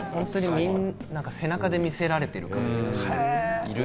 背中で見せられてる感じがする。